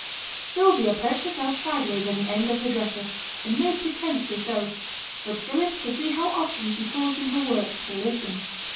Sylvia perched herself sideways on the end of the dresser, and made pretence to sew; but Philip could see how often she paused in her work to listen.